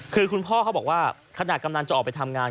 คือคุณพ่อเขาบอกว่าขณะกำลังจะออกไปทำงาน